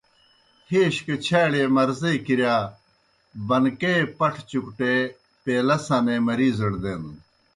ہَیش گہ چھاڑیْئے مرضے کِرِیا بنکے پٹھہ چُکٹے، پیلا سنے مریضڑ دینَن۔